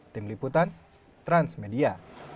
tim liputan transmedia